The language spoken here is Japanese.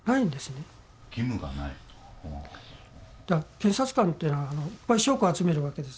検察官っていうのはいっぱい証拠を集めるわけです。